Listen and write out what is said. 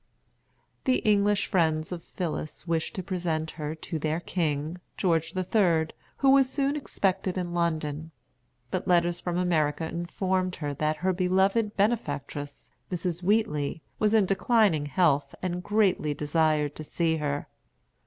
The English friends of Phillis wished to present her to their king, George the Third, who was soon expected in London. But letters from America informed her that her beloved benefactress, Mrs. Wheatley, was in declining health, and greatly desired to see her.